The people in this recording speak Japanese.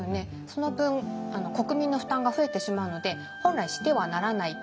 その分国民の負担が増えてしまうので本来してはならない。